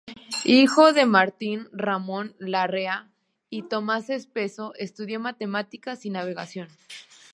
Hijo de Martín Ramón Larrea y Tomasa Espeso, estudió matemáticas y navegación.